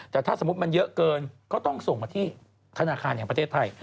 แต่ถ้าสมมุติมันเยอะเกินก็ต้องส่งมาที่ธนาคารแห่งประเทศไทย